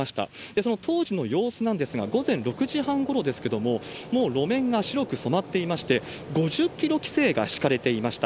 その当時の様子なんですが、午前６時半ごろですけれども、もう路面が白く染まっていまして、５０キロ規制が敷かれていました。